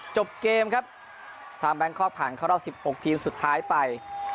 จบเกมครับทางแบงคอกผ่านเข้ารอบ๑๖ทีมสุดท้ายไป